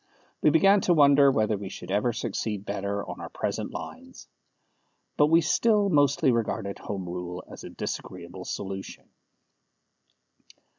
We began to wonder whether we should ever succeed better on our present lines. But we still mostly regarded Home Rule as a disagreeable solution.